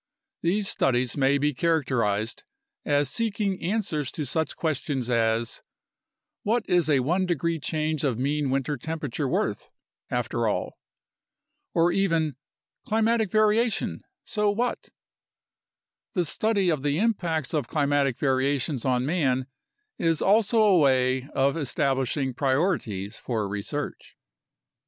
These studies may be characterized as seeking answers to such questions as "What is a 1 degree change of mean winter temperature worth, after all?" or even "Climatic variation: so what?" The study of the impacts of climatic variations on man is also a way of establishing priorities for research.